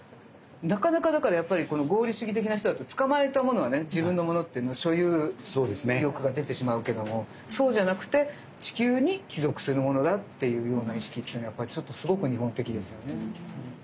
なかなかだからやっぱり合理主義的な人だと捕まえたものはね自分のものっていうのは所有欲が出てしまうけどもそうじゃなくて地球に帰属するものだっていうような意識っていうのはやっぱりすごく日本的ですよね。